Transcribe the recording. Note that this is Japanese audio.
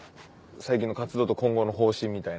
最近の活動と今後の方針みたいな。